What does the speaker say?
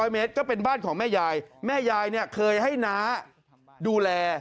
๐เมตรก็เป็นบ้านของแม่ยายแม่ยายเนี่ยเคยให้น้าดูแล